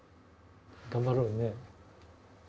頑張ろうね。